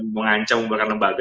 mengancam umpakan lembaga